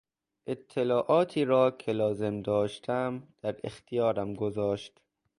اطلاعاتی را که لازم داشتم در اختیارم گذاشت.